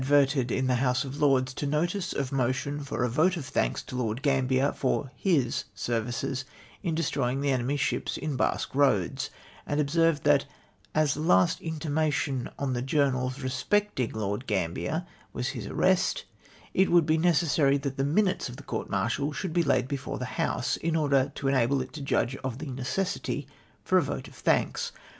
verted in the House of Lords to notice of motion for a vote of thanks to Lord Gambier, for his services in destroying the enemy's ships in Basque Roads ; and observed tliat as the hist intimation on the journals respecting Lord Gambier was his arrest, it would be necessary that the minutes of the court martial should be laid before the House, in order to enable it to judge of the necessity for a vote of thanks.